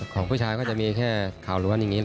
ของผู้ชายก็จะมีแค่ข่าวล้วนอย่างนี้